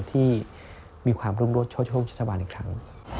ที่มีความรุ่นโรคโชคช่วงชาตาวันอีกครั้ง